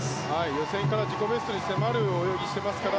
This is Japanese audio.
予選から自己ベストに迫る泳ぎをしていますから